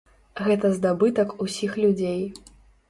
Гэта здабытак усіх людзей.